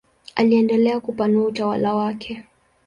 Aliendelea kupanua utawala wake.